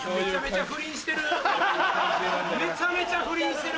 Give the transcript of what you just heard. めちゃめちゃ不倫してる！